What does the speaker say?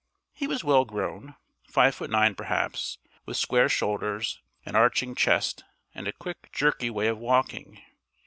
He was well grown, five foot nine perhaps, with square shoulders, an arching chest, and a quick jerky way of walking.